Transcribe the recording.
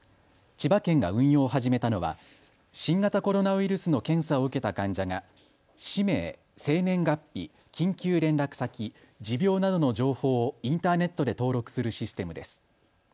千葉県が運用を始めたのは新型コロナウイルスの検査を受けた患者が氏名、生年月日、緊急連絡先、持病などの情報をインターネットで登録するシステムです。